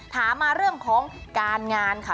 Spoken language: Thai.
ถามมาเรื่องของการงานค่ะ